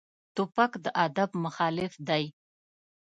توپک د ادب مخالف دی.